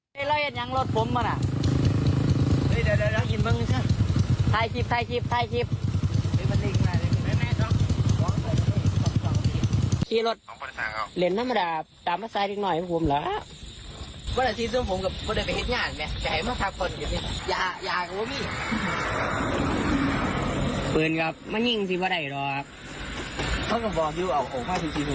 ตั้งใจตั้งสติฟังเรื่องนี้ให้ดีครับคุณผู้ชม